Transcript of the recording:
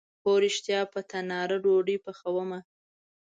هو ریښتیا، په تناره ډوډۍ پخومه